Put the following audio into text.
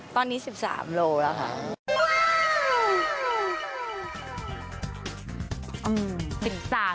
ตอนนี้๑๓กิโลกรัมแล้วค่ะ